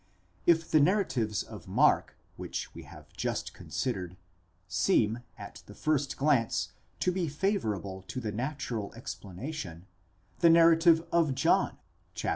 Ξ If the narratives of Mark which we have just considered, seem at the first glance to be favourable to the natural explanation, the narrative of John, chap.